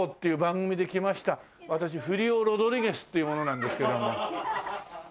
私フリオ・ロドリゲスっていう者なんですけども。